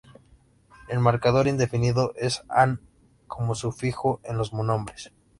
El marcador indefinido es "-an" como sufijo en los nombres.